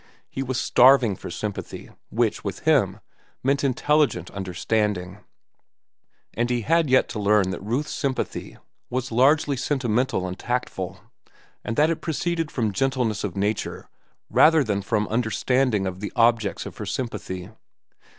He was starving for sympathy, which, with him, meant intelligent understanding; and he had yet to learn that Ruth's sympathy was largely sentimental and tactful, and that it proceeded from gentleness of nature rather than from understanding of the objects of her sympathy.